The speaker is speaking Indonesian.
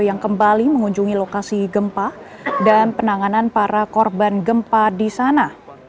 yang kembali mengunjungi lokasi gempa dan penanganan para korban gempa di sana